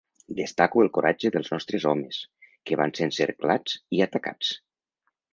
Destaco el coratge dels nostres homes, que van ser encerclats i atacats.